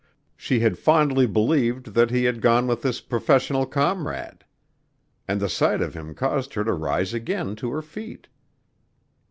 She had fondly believed that he had gone with his professional comrade; and the sight of him caused her to rise again to her feet.